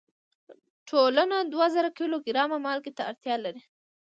ټولنه دوه زره کیلو ګرامه مالګې ته اړتیا لري.